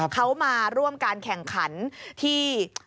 เขามาร่วมการแข่งขันที่